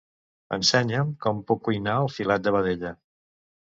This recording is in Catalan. Ensenya'm com puc cuinar el filet de vedella.